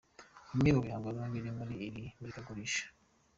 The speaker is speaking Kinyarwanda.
Bimwe mu bihangano biri muri iri murikagurisha:.